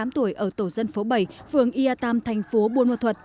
bốn mươi tám tuổi ở tổ dân phố bảy phường yatam thành phố buôn ma thuật